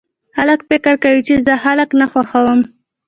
خلک فکر کوي چې زه خلک نه خوښوم